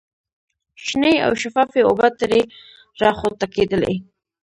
شنې او شفافې اوبه ترې را خوټکېدلې.